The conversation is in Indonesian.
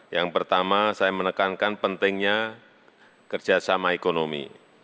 yang pertama saya menekankan pentingnya kerjasama ekonomi